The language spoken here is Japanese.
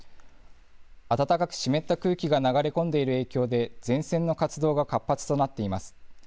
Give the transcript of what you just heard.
暖かく湿った空気が流れ込んでいる影響で、前線の活動が活発となっています。